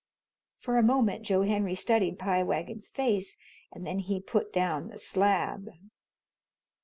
For a moment Joe Henry studied Pie Wagon's face, and then he put down the slab.